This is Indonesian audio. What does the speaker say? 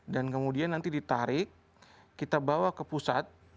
dan kemudian nanti ditarik kita bawa ke pusat